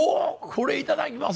これいただきます！